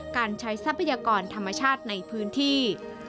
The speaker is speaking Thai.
การใช้ทรัพยากรธรรมชาติในพื้นที่